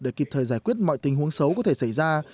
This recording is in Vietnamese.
để kịp thời giải quyết mọi tình huống xấu có thể xảy ra